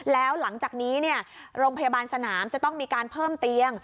แล้วหลังจากนี้โรงพยาบาลสนามจะต้องมีการเพิ่มเตียง